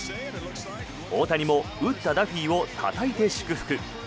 大谷も打ったダフィーをたたいて祝福。